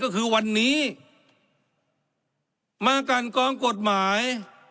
ก็คือวันนี้มากันกองกฎหมาย